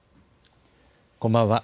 こんばんは。